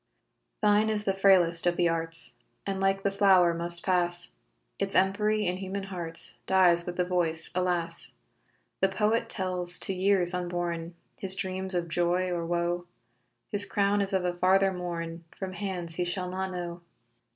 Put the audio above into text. Thine is the frailest of the arts And like the flower must pass ; Its empery in human hearts Dies with the voice, alas! The poet tells to years unborn His dreams of joy or woe; His crown is of a farther morn, From hands he shall not know.